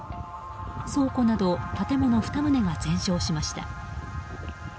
倉庫など建物２棟が全焼しました。